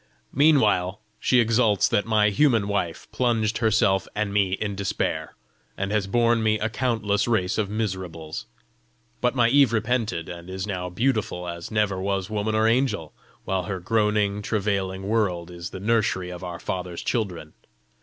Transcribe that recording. Meanwhile she exults that my human wife plunged herself and me in despair, and has borne me a countless race of miserables; but my Eve repented, and is now beautiful as never was woman or angel, while her groaning, travailing world is the nursery of our Father's children.